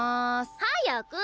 早く！